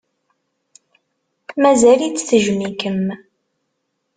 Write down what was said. Mazal-itt tejjem-ikem.